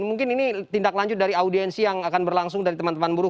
mungkin ini tindak lanjut dari audiensi yang akan berlangsung dari teman teman buruh